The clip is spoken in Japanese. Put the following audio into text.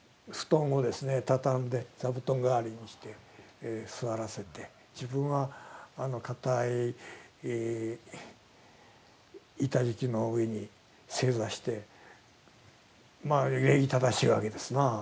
畳んで座布団代わりにして座らせて自分は硬い板敷きの上に正座してまあ礼儀正しいわけですな。